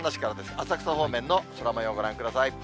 浅草方面の空もようご覧ください。